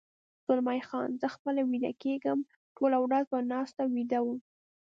زلمی خان: زه خپله ویده کېږم، ټوله ورځ په ناسته ویده وم.